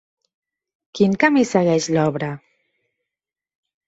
Quin camí segueix l'obra?